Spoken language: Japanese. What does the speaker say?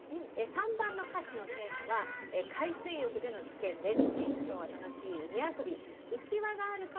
３番の歌詞のテーマは海水浴での危険です。